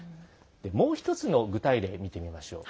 もうひとつの具体例見てみましょう。